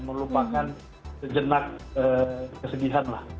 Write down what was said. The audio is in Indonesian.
melupakan sejenak kesedihan lah